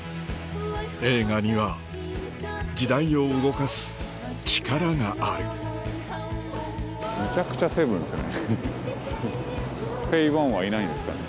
映画には時代を動かす力があるむちゃくちゃ「セブン」ですね。